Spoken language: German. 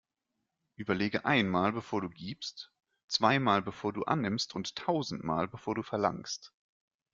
Überlege einmal, bevor du gibst, zweimal, bevor du annimmst, und tausendmal, bevor du verlangst.